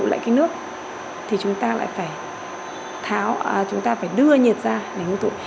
nên cạnh chúng ta ngưng tụ lại nước thì chúng ta lại phải tháo chúng ta phải đưa nhiệt ra để ngưng tụ